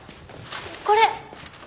これ！